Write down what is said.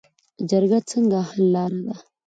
جرګه څنګه حل لاره ده؟